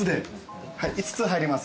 ５つ入ります。